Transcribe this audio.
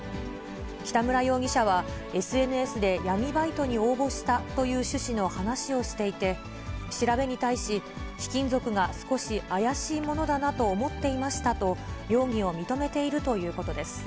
北村容疑者は、ＳＮＳで闇バイトに応募したという趣旨の話をしていて、調べに対し、貴金属が少し怪しいものだなと思っていましたと、容疑を認めているということです。